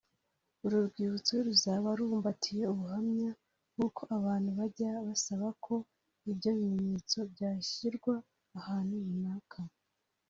uru rwibutso ruzaba rubumbatiye ubuhamya nk’uko abantu bajya basaba ko ibyo bimenyetso byashyirwa ahantu runaka